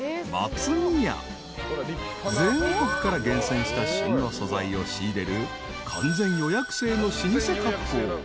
［全国から厳選した旬の素材を仕入れる完全予約制の老舗割烹］